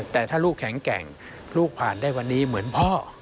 แต่ถ้าลูกแข็งแกร่งลูกผ่านได้วันนี้เหมือนพ่อ